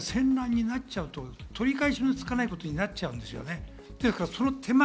いったん戦乱になっちゃうと取り返しのつかないことになっちゃうんですよね。